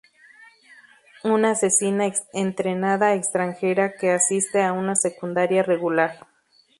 Una asesina entrenada extranjera que asiste a una secundaria regular.